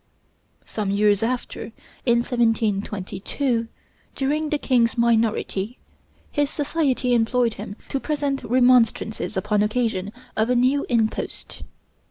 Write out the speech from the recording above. Some years after, in 1722, during the king's minority, his society employed him to present remonstrances upon occasion of a new impost.